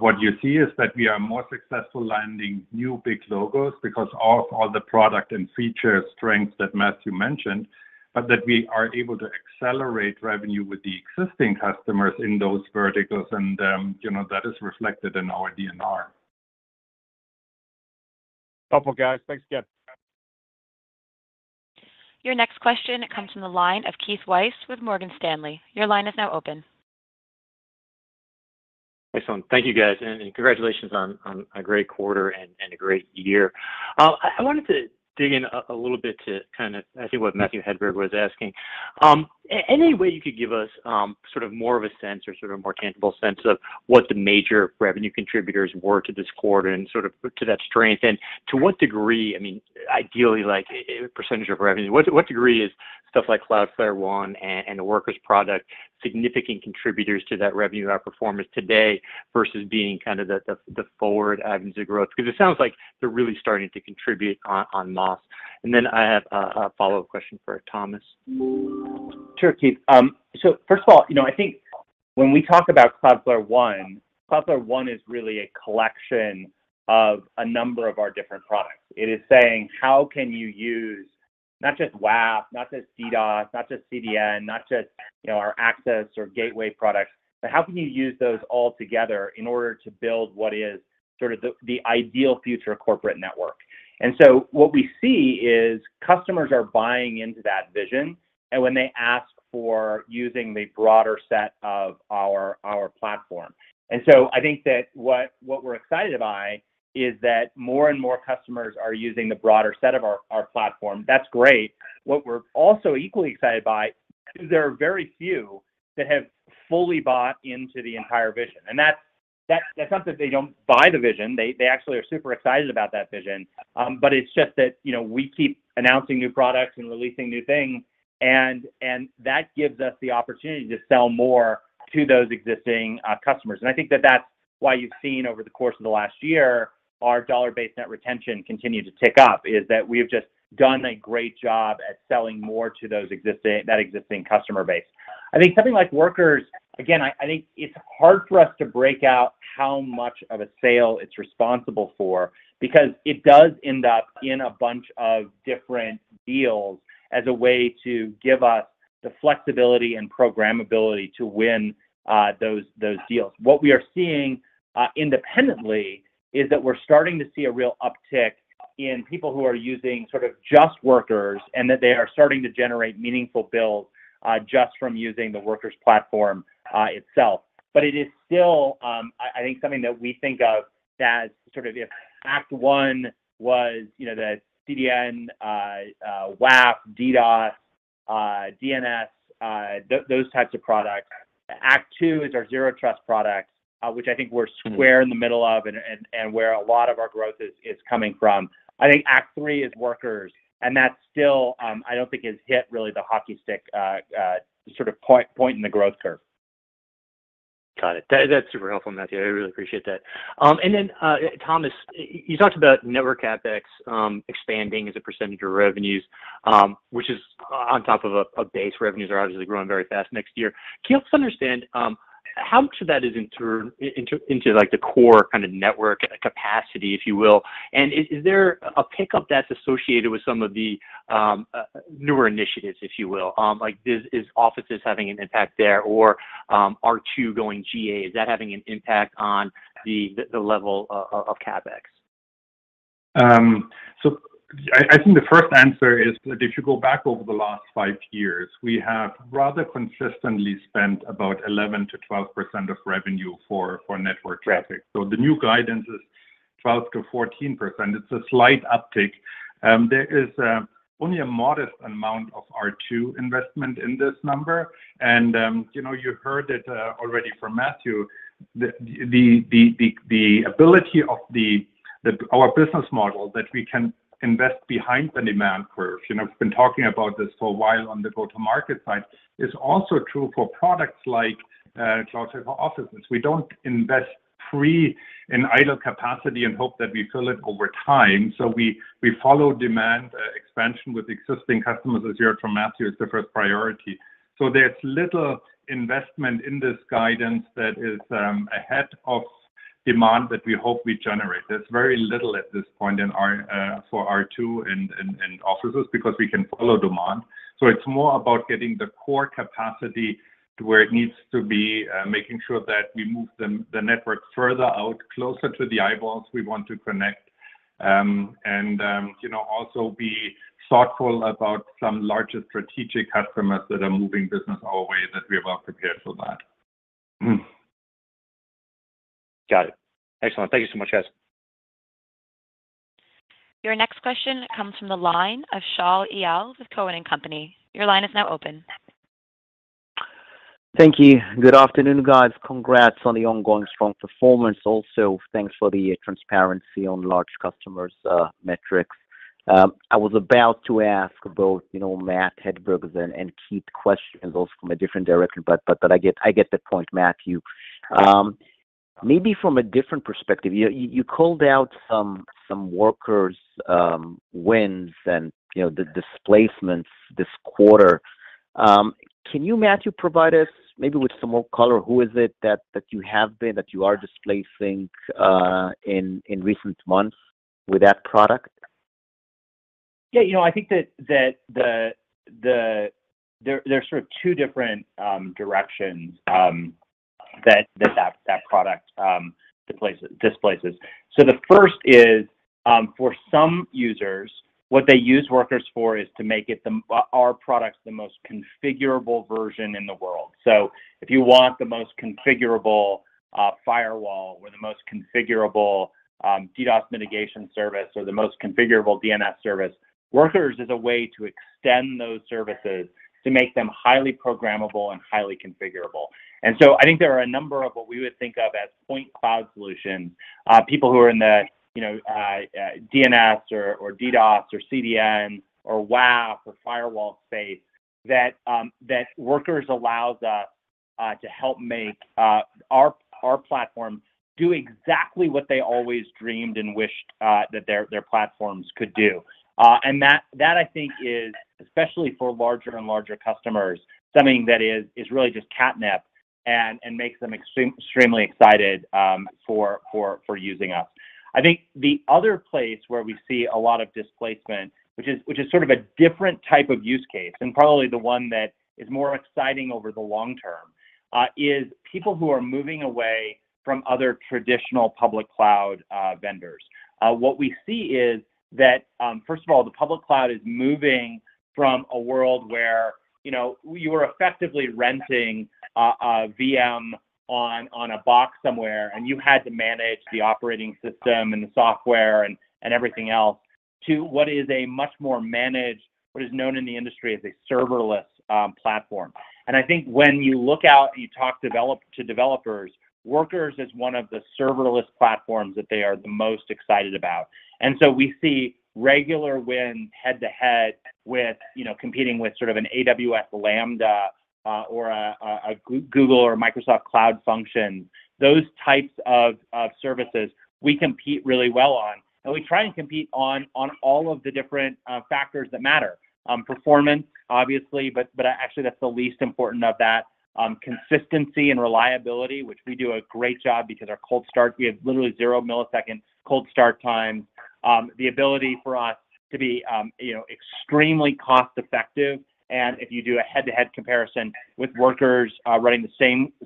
Speaker 4: What you see is that we are more successful landing new big logos because of all the product and feature strengths that Matthew mentioned, but that we are able to accelerate revenue with the existing customers in those verticals. You know, that is reflected in our DBNR.
Speaker 7: Wonderful, guys. Thanks again.
Speaker 1: Your next question comes from the line of Keith Weiss with Morgan Stanley. Your line is now open.
Speaker 8: Excellent. Thank you, guys, and congratulations on a great quarter and a great year. I wanted to dig in a little bit to kind of I think what Matthew Hedberg was asking. Any way you could give us sort of more of a sense or sort of a more tangible sense of what the major revenue contributors were to this quarter and sort of to that strength? To what degree, I mean, ideally, like a percentage of revenue, what degree is stuff like Cloudflare One and the Workers product significant contributors to that revenue outperformance today versus being kind of the forward avenues of growth? Because it sounds like they're really starting to contribute en masse. Then I have a follow-up question for Thomas.
Speaker 3: Sure, Keith. First of all, you know, I think when we talk about Cloudflare One, Cloudflare One is really a collection of a number of our different products. It is saying, how can you use not just WAF, not just DDoS, not just CDN, not just, you know, our access or gateway products, but how can you use those all together in order to build what is sort of the ideal future corporate network? What we see is customers are buying into that vision, and when they ask for using the broader set of our platform. I think that what we're excited by is that more and more customers are using the broader set of our platform. That's great. What we're also equally excited by is there are very few that have fully bought into the entire vision, and that's not that they don't buy the vision. They actually are super excited about that vision. But it's just that, you know, we keep announcing new products and releasing new things, and that gives us the opportunity to sell more to those existing customers. I think that that's why you've seen over the course of the last year our dollar-based net retention continue to tick up, is that we have just done a great job at selling more to those existing customer base. I think something like Workers, again. I think it's hard for us to break out how much of a sale it's responsible for because it does end up in a bunch of different deals as a way to give us the flexibility and programmability to win those deals. What we are seeing independently is that we're starting to see a real uptick in people who are using sort of just Workers and that they are starting to generate meaningful bills just from using the Workers platform itself. But it is still, I think something that we think of as sort of if act one was, you know, the CDN, WAF, DDoS, DNS, those types of products. Act two is our Zero Trust products, which I think we're square in the middle of and where a lot of our growth is coming from. I think Act 3 is Workers, and that still, I don't think has hit really the hockey stick, sort of point in the growth curve.
Speaker 8: Got it. That's super helpful, Matthew. I really appreciate that. Then, Thomas, you talked about network CapEx expanding as a percentage of revenues, which is on top of a base. Revenues are obviously growing very fast next year. Can you help us understand how much of that is in turn into, like, the core kind of network capacity, if you will? Is there a pickup that's associated with some of the newer initiatives, if you will? Like, is Offices having an impact there, or R2 going GA, is that having an impact on the level of CapEx?
Speaker 4: I think the first answer is that if you go back over the last five years, we have rather consistently spent about 11%-12% of revenue for network traffic. The new guidance is 12%-14%. It's a slight uptick. There is only a modest amount of R2 investment in this number. You know, you heard it already from Matthew, the ability of our business model that we can invest behind the demand curve. You know, we've been talking about this for a while on the go-to-market side, is also true for products like Cloudflare for Offices. We don't invest freely in idle capacity and hope that we fill it over time. We follow demand expansion with existing customers, as you heard from Matthew, is the first priority. There's little investment in this guidance that is ahead of demand that we hope we generate. There's very little at this point for R2 and Offices because we can follow demand. It's more about getting the core capacity to where it needs to be, making sure that we move the network further out, closer to the eyeballs we want to connect. You know, also be thoughtful about some larger strategic customers that are moving business our way, that we are well prepared for that.
Speaker 8: Got it. Excellent. Thank you so much, guys.
Speaker 1: Your next question comes from the line of Shaul Eyal with Cowen and Company. Your line is now open.
Speaker 9: Thank you. Good afternoon, guys. Congrats on the ongoing strong performance. Also, thanks for the transparency on large customers metrics. I was about to ask both, you know, Matt Hedberg and Keith questions, both from a different direction, but I get the point, Matthew. Maybe from a different perspective, you called out some Workers wins and, you know, the displacements this quarter. Can you, Matthew, provide us maybe with some more color? Who is it that you are displacing in recent months with that product?
Speaker 3: Yeah. You know, I think that there are sort of two different directions that product displaces. So the first is, for some users, what they use Workers for is to make our products the most configurable version in the world. So if you want the most configurable firewall or the most configurable DDoS mitigation service or the most configurable DNS service, Workers is a way to extend those services to make them highly programmable and highly configurable. I think there are a number of what we would think of as point solutions, people who are in the, you know, DNS or DDoS or CDN or WAF or firewall space that Workers allows us to help make our platform do exactly what they always dreamed and wished that their platforms could do. That I think is, especially for larger and larger customers, something that is really just catnip and makes them extremely excited for using us. I think the other place where we see a lot of displacement, which is sort of a different type of use case, and probably the one that is more exciting over the long term, is people who are moving away from other traditional public cloud vendors. What we see is that, first of all, the public cloud is moving from a world where, you know, you were effectively renting a VM on a box somewhere, and you had to manage the operating system and the software and everything else to what is a much more managed, what is known in the industry as a serverless platform. I think when you look out, you talk to developers, Workers is one of the serverless platforms that they are the most excited about. We see regular win head-to-head with, you know, competing with sort of an AWS Lambda, or a Google or Microsoft cloud function. Those types of services we compete really well on, and we try and compete on all of the different factors that matter. Performance obviously, but actually that's the least important of that. Consistency and reliability, which we do a great job because our cold start, we have literally zero milliseconds cold start time. The ability for us to be, you know, extremely cost effective. If you do a head-to-head comparison with Workers, running the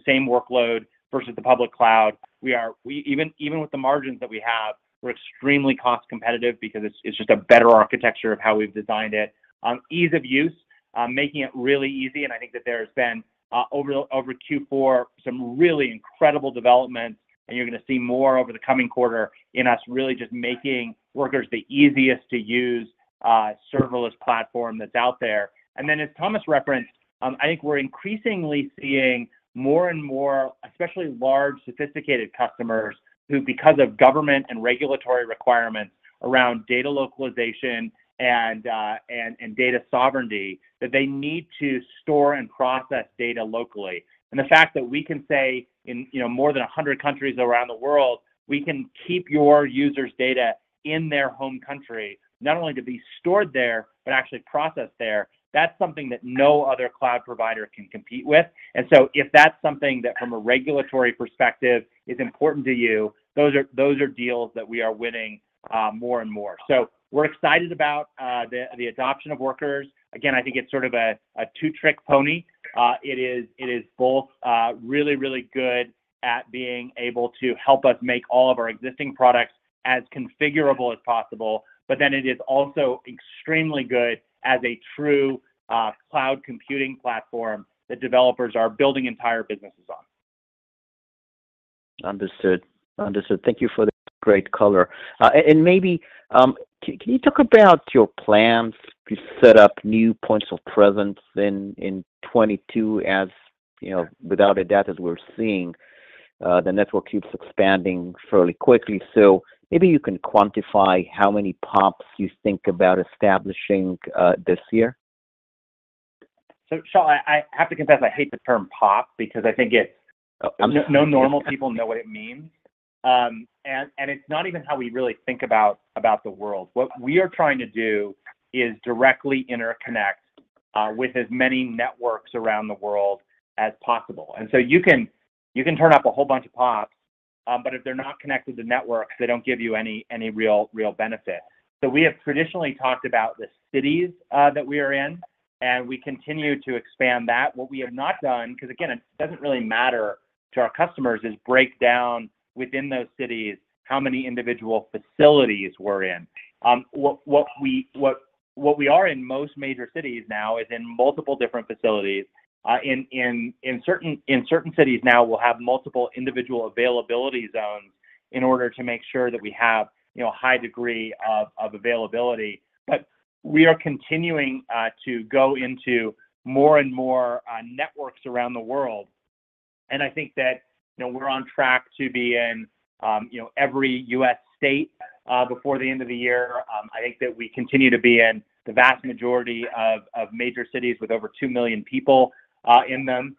Speaker 3: same workload versus the public cloud, we even with the margins that we have, we're extremely cost competitive because it's just a better architecture of how we've designed it. Ease of use, making it really easy, and I think that there's been over Q4 some really incredible developments, and you're gonna see more over the coming quarter in us really just making Workers the easiest to use serverless platform that's out there. As Thomas referenced, I think we're increasingly seeing more and more especially large sophisticated customers who, because of government and regulatory requirements around data localization and data sovereignty, that they need to store and process data locally. The fact that we can say in, you know, more than 100 countries around the world, we can keep your users' data in their home country, not only to be stored there, but actually processed there, that's something that no other cloud provider can compete with. If that's something that from a regulatory perspective is important to you, those are deals that we are winning more and more. We're excited about the adoption of Workers. Again, I think it's sort of a two-trick pony. It is both really good at being able to help us make all of our existing products as configurable as possible, but then it is also extremely good as a true cloud computing platform that developers are building entire businesses on.
Speaker 9: Understood. Thank you for the great color. Maybe can you talk about your plans to set up new points of presence in 2022, as you know, without a doubt as we're seeing, the network keeps expanding fairly quickly. Maybe you can quantify how many POPs you think about establishing this year.
Speaker 3: Shaul, I have to confess, I hate the term POP because no normal people know what it means. It's not even how we really think about the world. What we are trying to do is directly interconnect with as many networks around the world as possible. You can turn up a whole bunch of POPs, but if they're not connected to networks, they don't give you any real benefit. We have traditionally talked about the cities that we are in, and we continue to expand that. What we have not done, 'cause again, it doesn't really matter to our customers, is break down within those cities how many individual facilities we're in. What we are in most major cities now is in multiple different facilities. In certain cities now we'll have multiple individual availability zones in order to make sure that we have you know a high degree of availability. We are continuing to go into more and more networks around the world, and I think that you know we're on track to be in you know every U.S. state before the end of the year. I think that we continue to be in the vast majority of major cities with over 2 million people in them.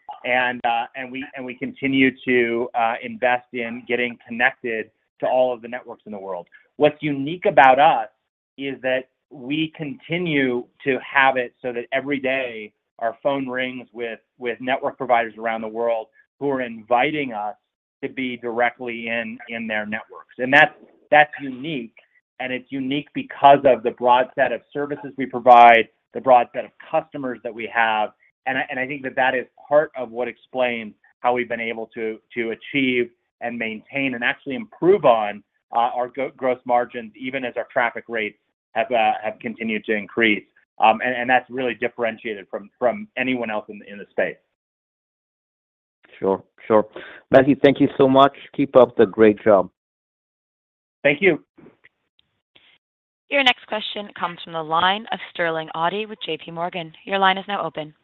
Speaker 3: We continue to invest in getting connected to all of the networks in the world. What's unique about us is that we continue to have it so that every day our phone rings with network providers around the world who are inviting us to be directly in their networks. That's unique, and it's unique because of the broad set of services we provide, the broad set of customers that we have. I think that is part of what explains how we've been able to achieve and maintain and actually improve on our gross margins even as our traffic rates have continued to increase. That's really differentiated from anyone else in the space.
Speaker 9: Sure, sure. Matthew, thank you so much. Keep up the great job.
Speaker 3: Thank you.
Speaker 1: Your next question comes from the line of Sterling Auty with JPMorgan. Your line is now open.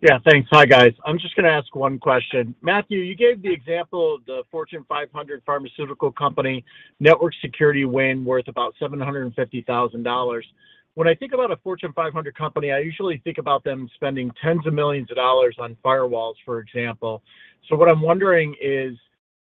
Speaker 10: Yeah, thanks. Hi, guys. I'm just gonna ask one question. Matthew, you gave the example of the Fortune 500 pharmaceutical company network security win worth about $750,000. When I think about a Fortune 500 company, I usually think about them spending tens of millions of dollars on firewalls, for example. What I'm wondering is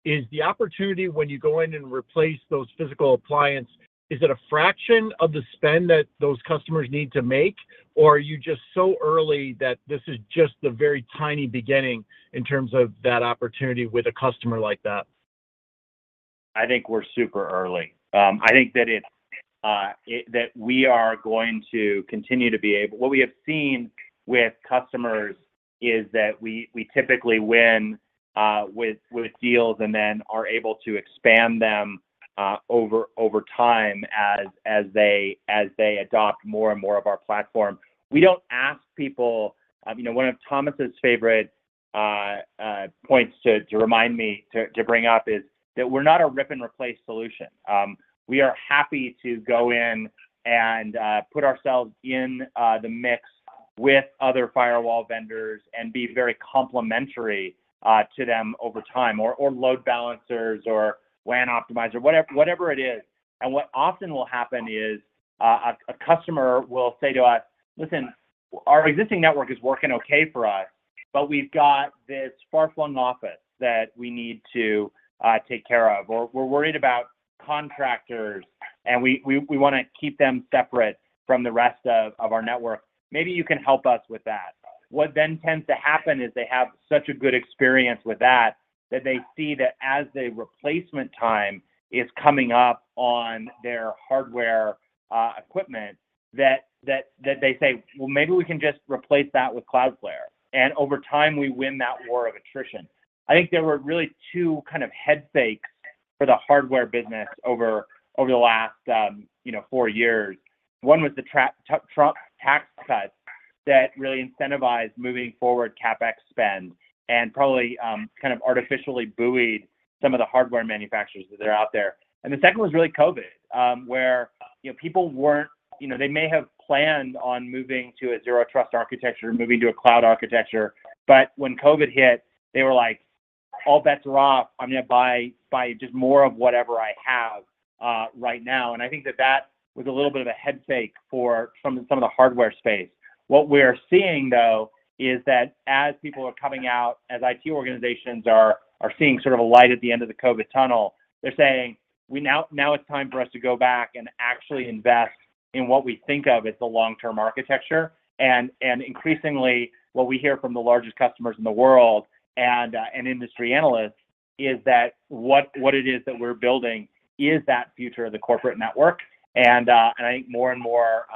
Speaker 10: the opportunity when you go in and replace those physical appliance, is it a fraction of the spend that those customers need to make? Or are you just so early that this is just the very tiny beginning in terms of that opportunity with a customer like that?
Speaker 3: I think we're super early. I think that we are going to continue to be able. What we have seen with customers is that we typically win with deals and then are able to expand them over time as they adopt more and more of our platform. We don't ask people. You know, one of Thomas's favorite points to remind me to bring up is that we're not a rip-and-replace solution. We are happy to go in and put ourselves in the mix with other firewall vendors and be very complementary to them over time, or load balancers or WAN optimizer, whatever it is. What often will happen is a customer will say to us, "Listen, our existing network is working okay for us, but we've got this far-flung office that we need to take care of," or, "We're worried about contractors, and we wanna keep them separate from the rest of our network. Maybe you can help us with that." What then tends to happen is they have such a good experience with that that they see that as a replacement time is coming up on their hardware equipment, that they say, "Well, maybe we can just replace that with Cloudflare." Over time, we win that war of attrition. I think there were really two kind of head fakes for the hardware business over the last you know, four years. One was the Trump tax cuts that really incentivized moving forward CapEx spend and probably kind of artificially buoyed some of the hardware manufacturers that are out there. The second was really COVID, where you know, people weren't you know, they may have planned on moving to a zero trust architecture, moving to a cloud architecture, but when COVID hit, they were like, "All bets are off. I'm gonna buy just more of whatever I have right now." I think that was a little bit of a head fake for some of the hardware space. What we're seeing, though, is that as people are coming out, as IT organizations are seeing sort of a light at the end of the COVID tunnel, they're saying, "We now... Now it's time for us to go back and actually invest in what we think of as the long-term architecture. Increasingly what we hear from the largest customers in the world and industry analysts is that what it is that we're building is that future of the corporate network. I think more and more,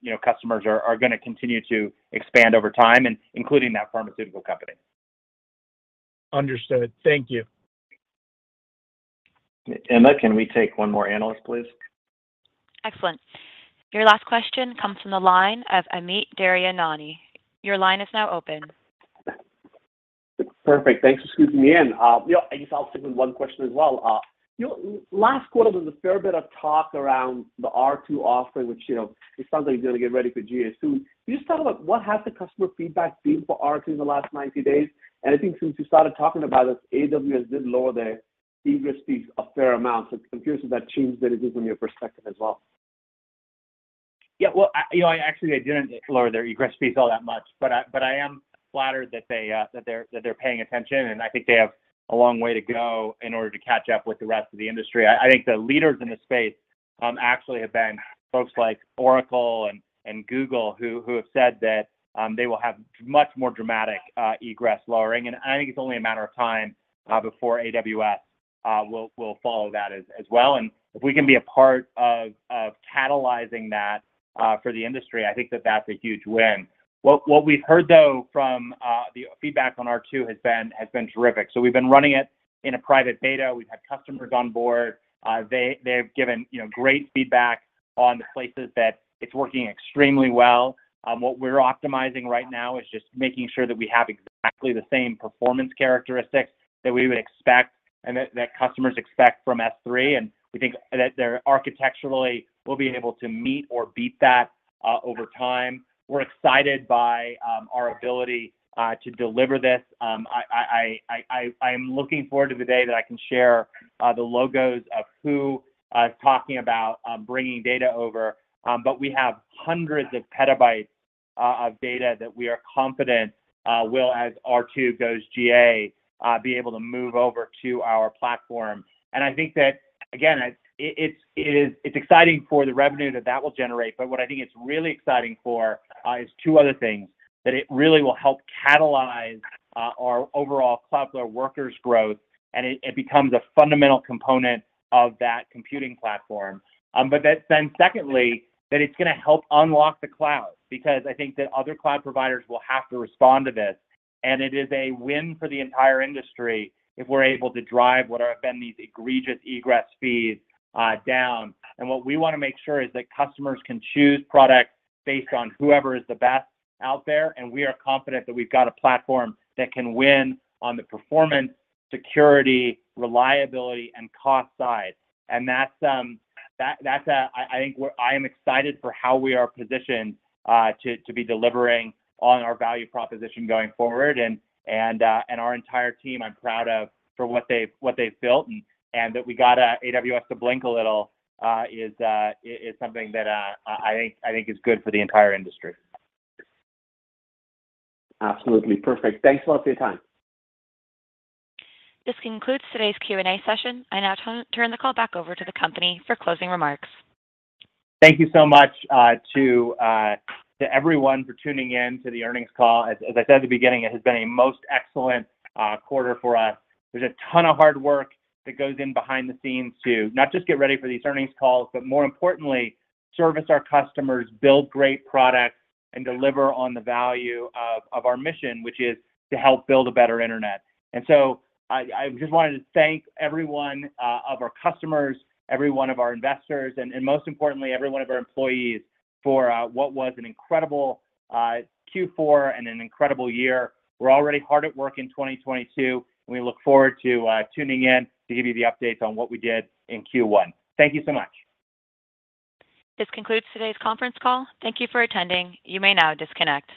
Speaker 3: you know, customers are gonna continue to expand over time and including that pharmaceutical company.
Speaker 10: Understood. Thank you.
Speaker 3: Emma, can we take one more analyst, please?
Speaker 1: Excellent. Your last question comes from the line of Amit Daryanani. Your line is now open.
Speaker 11: Perfect. Thanks for squeezing me in. You know, I guess I'll stick with one question as well. You know, last quarter there was a fair bit of talk around the R2 offering, which, you know, it sounds like you're gonna get ready for GA soon. Can you just talk about what has the customer feedback been for R2 in the last 90 days? And I think since you started talking about this, AWS did lower their egress fees a fair amount. So I'm curious if that changed anything from your perspective as well.
Speaker 3: Yeah. Well, you know, actually they didn't lower their egress fees all that much, but I am flattered that they're paying attention, and I think they have a long way to go in order to catch up with the rest of the industry. I think the leaders in the space actually have been folks like Oracle and Google who have said that they will have much more dramatic egress lowering. I think it's only a matter of time before AWS will follow that as well. If we can be a part of catalyzing that for the industry, I think that's a huge win. What we've heard though from the feedback on R2 has been terrific. We've been running it in a private beta. We've had customers on board. They've given, you know, great feedback on the places that it's working extremely well. What we're optimizing right now is just making sure that we have exactly the same performance characteristics that we would expect and that customers expect from S3, and we think that architecturally we'll be able to meet or beat that over time. We're excited by our ability to deliver this. I'm looking forward to the day that I can share the logos of who we're talking about bringing data over. But we have hundreds of petabytes of data that we are confident will, as R2 goes GA, be able to move over to our platform. I think that again, it's exciting for the revenue that will generate. What I think it's really exciting for is two other things, that it really will help catalyze our overall Cloudflare Workers growth, and it becomes a fundamental component of that computing platform. That then secondly, that it's gonna help unlock the cloud because I think that other cloud providers will have to respond to this, and it is a win for the entire industry if we're able to drive what have been these egregious egress fees down. What we wanna make sure is that customers can choose products based on whoever is the best out there, and we are confident that we've got a platform that can win on the performance, security, reliability, and cost side. I am excited for how we are positioned to be delivering on our value proposition going forward. Our entire team I'm proud of for what they've built and that we got AWS to blink a little is something that I think is good for the entire industry.
Speaker 11: Absolutely. Perfect. Thanks a lot for your time.
Speaker 1: This concludes today's Q and A session. I now turn the call back over to the company for closing remarks.
Speaker 3: Thank you so much to everyone for tuning in to the earnings call. As I said at the beginning, it has been a most excellent quarter for us. There's a ton of hard work that goes in behind the scenes to not just get ready for these earnings calls, but more importantly, service our customers, build great products, and deliver on the value of our mission, which is to help build a better internet. I just wanted to thank every one of our customers, every one of our investors, and most importantly, every one of our employees for what was an incredible Q4 and an incredible year. We're already hard at work in 2022, and we look forward to tuning in to give you the updates on what we did in Q1. Thank you so much.
Speaker 1: This concludes today's conference call. Thank you for attending. You may now disconnect.